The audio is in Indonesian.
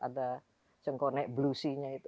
ada cengkone bluesy nya itu